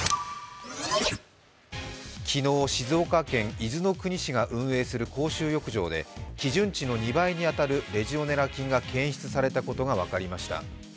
昨日、静岡県伊豆の国市が運営する公衆浴場で基準値の２倍に当たるレジオネラ菌が検出されたことが分かりました。